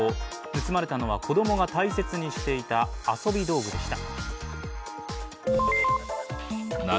盗まれたのは、子供が大切にしていた遊び道具でした。